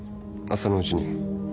朝のうちに。